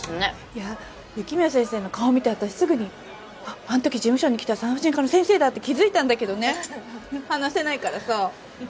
いや雪宮先生の顔見て私すぐにあっあの時事務所に来た産婦人科の先生だって気づいたんだけどね話せないからさ。